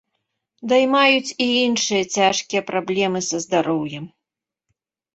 Даймаюць і іншыя цяжкія праблемы са здароўем.